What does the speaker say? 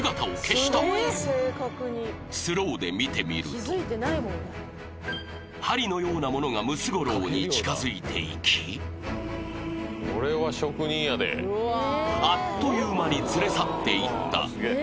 スローで見てみると針のようなものがムツゴロウに近づいていきあっという間に連れ去っていった